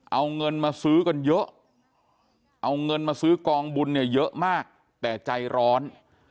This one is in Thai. เอาเงินมาซื้อกันเยอะเอาเงินมาซื้อกองบุญเนี่ยเยอะมากแต่ใจร้อน